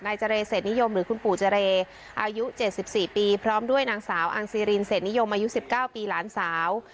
เจรเศษนิยมหรือคุณปู่เจรอายุ๗๔ปีพร้อมด้วยนางสาวอังซีรินเศษนิยมอายุ๑๙ปีหลานสาว